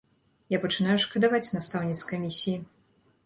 Я пачынаю шкадаваць настаўніц з камісіі.